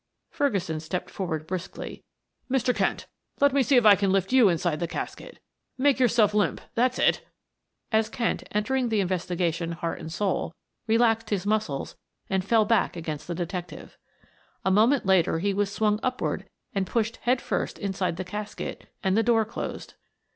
Ferguson stepped forward briskly. "Mr. Kent, let me see if I can lift you inside the casket; make yourself limp that's it!" as Kent, entering into the investigation heart and soul, relaxed his muscles and fell back against the detective. A moment later he was swung upward and pushed head first inside the casket and the door closed.